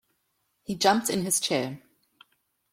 He jumped in his chair.